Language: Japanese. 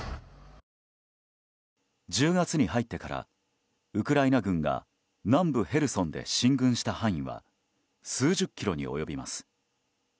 １０月に入ってからウクライナ軍が南部ヘルソンで進軍した範囲は数十キロに及びます。